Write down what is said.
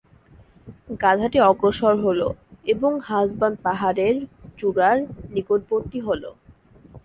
গাধাটি অগ্রসর হল এবং হাসবান পাহাড়ের চূড়ার নিকটবর্তী হল।